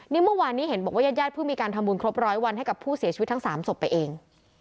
นี่เมื่อวานนี้เห็นบอกว่าญาติญาติเพิ่งมีการทำบุญครบร้อยวันให้กับผู้เสียชีวิตทั้ง๓ศพไปเอง